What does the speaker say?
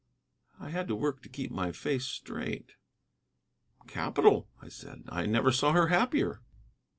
I had work to keep my face straight. "Capital," I said; "I never saw her happier."